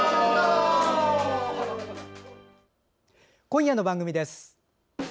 今夜の番組です。